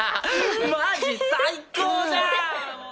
マジ最高じゃんもう。